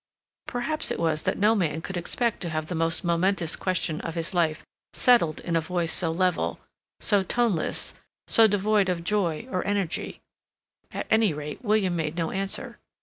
Perhaps it was that no man could expect to have the most momentous question of his life settled in a voice so level, so toneless, so devoid of joy or energy. At any rate William made no answer.